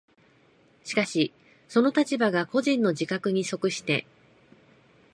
しかしその立場が個人の自覚に即して